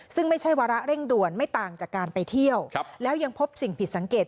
ซึ่งไม่ใช่วาระเร่งด่วนไม่ต่างจากการไปเที่ยวแล้วยังพบสิ่งผิดสังเกต